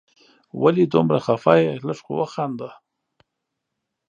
ولي دومره خفه یې ؟ لږ خو وخانده